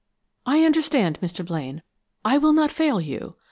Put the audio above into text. "I understand, Mr. Blaine. I will not fail you.